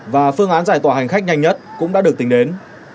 và phương án giải tỏa hành khách nhanh nhất cũng đã được tính đến